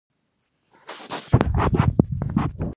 دننه تېاره وه، پخلنځي ته ولاړم.